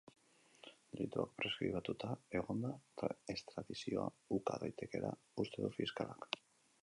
Delituak preskribituta egonda, estradizioa uka daitekeela uste du fiskalak.